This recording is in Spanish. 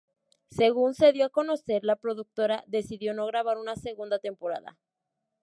Según se dio a conocer, la productora decidió no grabar una segunda temporada.